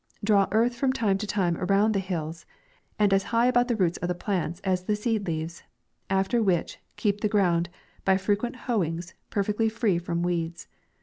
Draw earth from time to time around the bills, and as high about the roots of the plants as the seed leaves ; after which, keep the ground, by frequent hoeings, perfectly free from weeds.